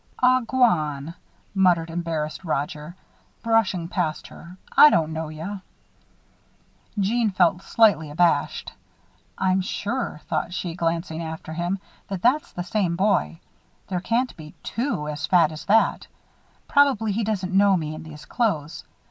"Aw, g'wan," muttered embarrassed Roger, brushing past her. "I don't know yuh." Jeanne felt slightly abashed. "I'm sure," thought she, glancing after him, "that that's the same boy. There can't be two as fat as that. Probably he doesn't know me in these clothes.